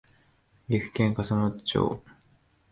岐阜県笠松町